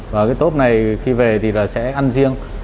và cái tốp này khi về thì là sẽ ăn riêng